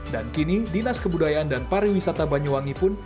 dan kini dinas kebudayaan dan pariwisata banyuwangi pun